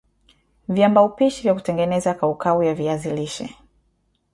Viambaupishi vya kutengeneza kaukau ya viazi lishe